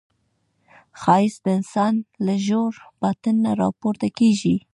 ښایست د انسان له ژور باطن نه راپورته کېږي